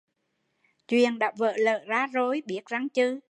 Chuyện đã vỡ lở ra rồi, biết răng chừ